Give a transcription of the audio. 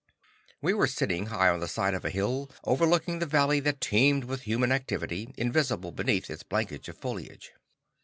We were sitting high on the side of a hill overlooking the valley that teemed with human activity, invisible beneath its blanket of foliage.